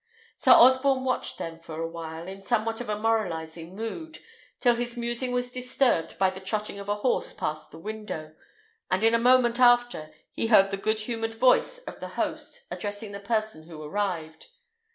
Sir Osborne watched them for a while, in somewhat of a moralizing mood, till his musing was disturbed by the trotting of a horse past the window, and in a moment after he heard the good humoured voice of the host addressing the person who arrived.